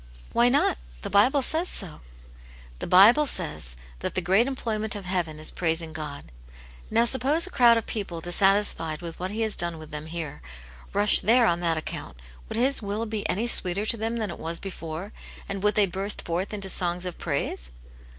" Why not ? The Bible says so." "The Bible says that the great employment of heaven is praising God. Now, suppose a crowd of people dissatisfied with what H^V^^ ^^^^ ^\K^ "^^ ^ss. 202 Aunt Janets Hero. here, rush there on that account, would His will be any sweeter to them than it was before, and would they burst forth into songs of praise